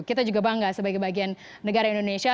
kita juga bangga sebagai bagian negara indonesia